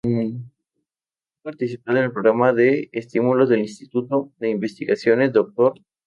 Ha participado en el Programa de Estímulos del Instituto de Investigaciones Dr.